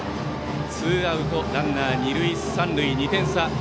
ツーアウトランナー、二塁三塁２点差。